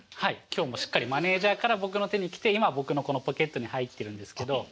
今日もしっかりマネージャーから僕の手に来て今僕のこのポケットに入ってるんですけど。